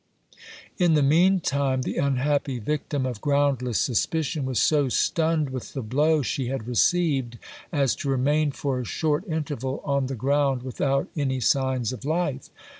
' In the mean time, the unhappy victim of groundless suspicion was so stunned with the blow she had received, as to remain for a short interval on the ground without any signs of life.